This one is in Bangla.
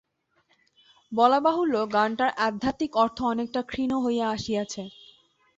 বলা বাহুল্য, গানটার আধ্যাত্মিক অর্থ অনেকটা ক্ষীণ হইয়া আসিয়াছে।